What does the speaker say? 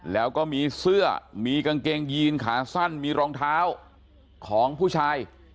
แล้วก็มีเสื้อมีกางเกงยีนขาสั้นมีรองเท้าของผู้ชาย